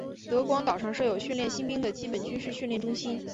德光岛上设有训练新兵的基本军事训练中心。